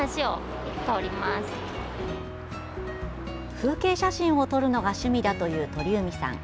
風景写真を撮るのが趣味だという鳥海さん。